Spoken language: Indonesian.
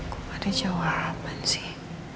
kok ada jawaban sih